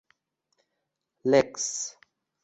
lex